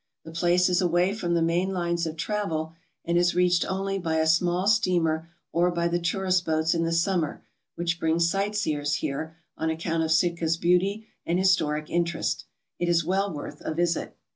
The place is away from the main lines of travel and is reached only by a small steamer, or by the tourist boats in the summer, which bring sight seers here on account of Sitka's beauty and historic in terest. It is well worth a visit.